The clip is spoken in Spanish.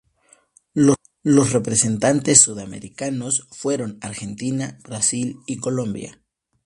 Los representantes sudamericanos fueron Argentina, Brasil y Colombia.